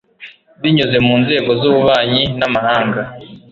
binyuze mu nzego z ububanyi n amahanga